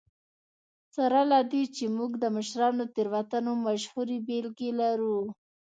سره له دې چې موږ د مشرانو د تېروتنو مشهورې بېلګې لرو.